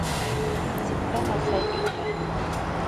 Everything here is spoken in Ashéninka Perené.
Tsika nosaikika.